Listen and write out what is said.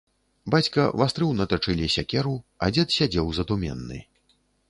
Бацька вастрыў на тачыле сякеру, а дзед сядзеў задуменны.